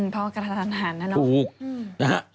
เพราะกระทะทันทานนะเนอะถูกนะฮะ